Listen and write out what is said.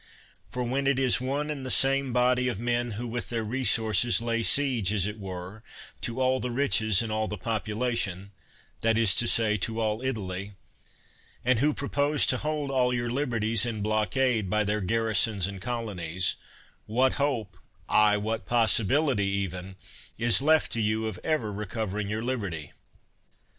For when it is one and the same body of men who with their resources lay siege, as it were, to all the riches and all the population — that is to say, to all Italy — and who propose to hold all your liberties in blockade by their garrisons and colonies, — ^what hope, aye, what possibility even is left to you of ever recov ering your liberty?